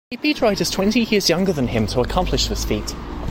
He beat riders twenty years younger than him to accomplish this feat.